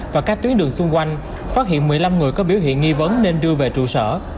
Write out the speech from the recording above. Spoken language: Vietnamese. và các tuyến đường xung quanh phát hiện một mươi năm người có biểu hiện nghi vấn nên đưa về trụ sở